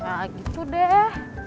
gak gitu deh